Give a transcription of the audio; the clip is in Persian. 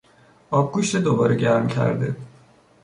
آبگوشت دوباره گرم کرده